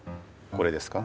これですか？